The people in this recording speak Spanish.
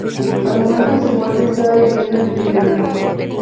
Al momento de su muerte estaba viviendo en Teherán.